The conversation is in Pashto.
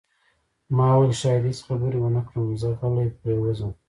ما وویل: شاید هیڅ خبرې ونه کړم، زه غلی پرېوځم.